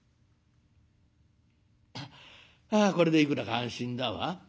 「あこれでいくらか安心だわ。